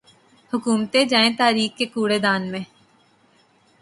حکومتیں جائیں تاریخ کے کوڑے دان میں۔